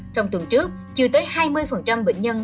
trong tuần trước chưa tới hai mươi bệnh nhân